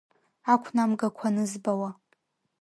Ақәнамгақәа анызбауа…